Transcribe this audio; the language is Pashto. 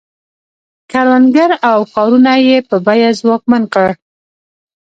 کروندګر او ښارونه یې په بیه ځواکمن کړل.